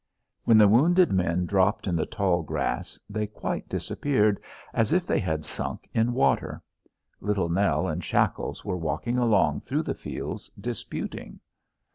When the wounded men dropped in the tall grass they quite disappeared, as if they had sunk in water. Little Nell and Shackles were walking along through the fields, disputing.